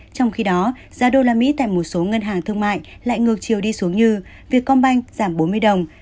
trong khi đó giá đô la mỹ tại một số ngân hàng thương mại lại ngược chiều đi xuống như việc con banh giảm bốn mươi đồng